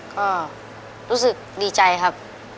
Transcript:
ก็รู้สึกดีใจครับ